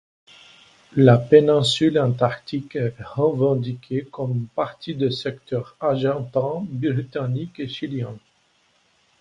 La péninsule Antarctique est revendiquée comme partie des secteurs argentins, britanniques et chiliens.